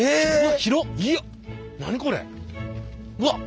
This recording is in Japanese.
うわっ。